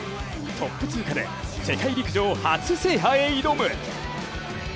トップ通過で世界陸上初制覇へ挑む。